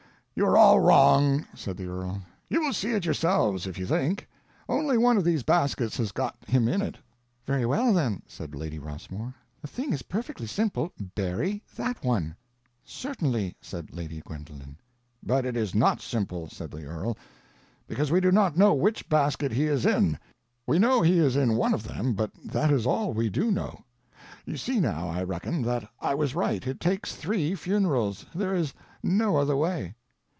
"You are all wrong," said the earl. "You will see it yourselves, if you think. Only one of these baskets has got him in it." "Very well, then," said Lady Rossmore, "the thing is perfectly simple—bury that one." "Certainly," said Lady Gwendolen. "But it is not simple," said the earl, "because we do not know which basket he is in. We know he is in one of them, but that is all we do know. You see now, I reckon, that I was right; it takes three funerals, there is no other way."